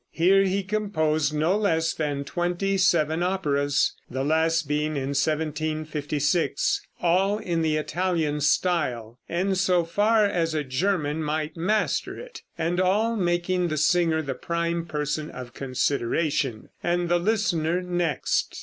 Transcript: Here he composed no less than twenty seven operas, the last being in 1756, all in the Italian style, in so far as a German might master it, and all making the singer the prime person of consideration, and the listener next.